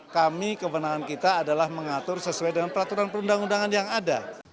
kami kewenangan kita adalah mengatur sesuai dengan peraturan perundang undangan yang ada